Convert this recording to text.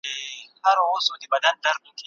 تر نرۍ ملا دې راوغورځول